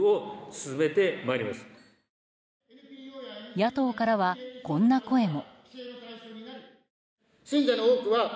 野党からはこんな声も。